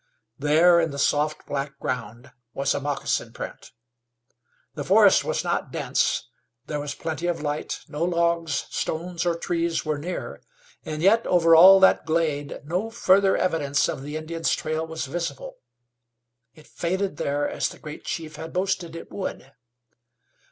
There in the soft, black ground was a moccasin print. The forest was not dense; there was plenty of light; no logs, stones or trees were near, and yet over all that glade no further evidence of the Indian's trail was visible. It faded there as the great chief had boasted it would.